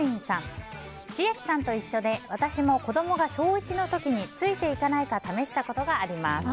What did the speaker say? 千秋さんと一緒で私も子供が小１の時についていかないか試したことがあります。